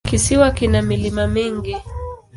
Kisiwa kina milima mingi.